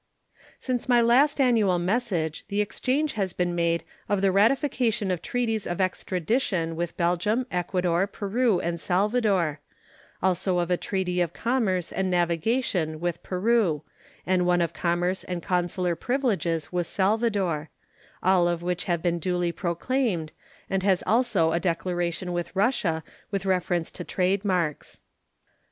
Since my last annual message the exchange has been made of the ratification of treaties of extradition with Belgium, Ecuador, Peru, and Salvador; also of a treaty of commerce and navigation with Peru, and one of commerce and consular privileges with Salvador; all of which have been duly proclaimed, as has also a declaration with Russia with reference to trade marks.